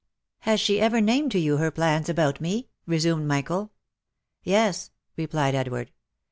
" Has she ever named to you her plans about me?" resumed Mi chael. " Yes !" replied Edward.